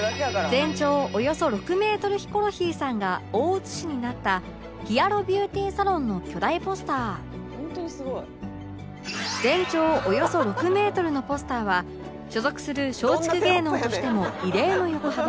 全長およそ６メートルヒコロヒーさんが大写しになったヒアロビューティーサロンの巨大ポスター「ホントにすごい」全長およそ６メートルのポスターは所属する松竹芸能としても異例の横幅